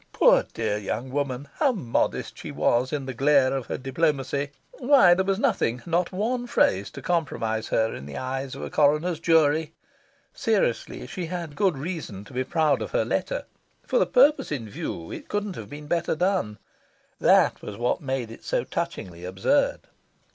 Poor dear young woman, how modest she was in the glare of her diplomacy! Why there was nothing, not one phrase, to compromise her in the eyes of a coroner's jury!... Seriously, she had good reason to be proud of her letter. For the purpose in view it couldn't have been better done. That was what made it so touchingly absurd.